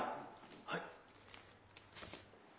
はい。